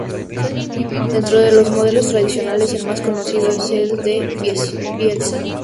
Dentro de los modelos tradicionales, el más conocido es el de Bielsa.